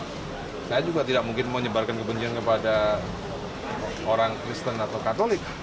saya juga tidak mungkin menyebarkan kebencian kepada orang kristen atau katolik